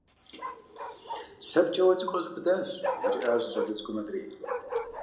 Сэ пкӏауэ цӏыкӏу къзубыдащ! – жриӏащ зы щӏалэ цӏыкӏум адрейм.